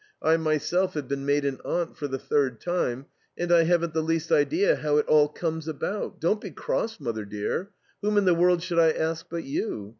I myself have been made an aunt for the third time, and I haven't the least idea how it all comes about.... Don't be cross, Mother, dear! Whom in the world should I ask but you?